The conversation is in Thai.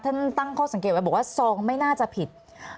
ท่านตั้งข้อสังเกตไว้บอกว่าซองไม่น่าจะผิด